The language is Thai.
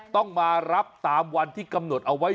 ต้องมารับตามวันที่กำหนดเอาไว้